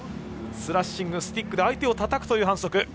スラッシング、スティックで相手をたたくという反則。